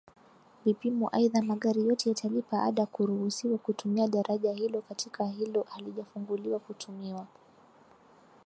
Vipimo Aidha magari yote yatalipa ada kuruhusiwa kutumia daraja hilo Katika hilo halijafunguliwa kutumiwa